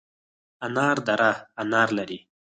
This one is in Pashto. انار دره انار لري؟